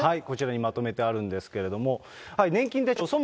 こちらにまとめてあるんですけども、年金手帳、